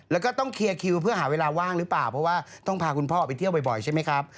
แล้วก็ต้องเคลียร์คิวเพื่อหาเวลาว่างหรือเปล่าเพราะว่าต้องพาคุณพ่อไปเที่ยวบ่อยใช่ไหมครับ